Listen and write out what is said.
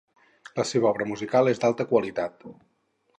La seva obra musical és d'alta qualitat.